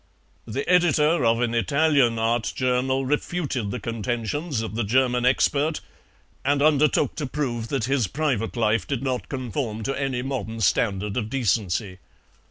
The editor of an Italian art journal refuted the contentions of the German expert and undertook to prove that his private life did not conform to any modern standard of decency.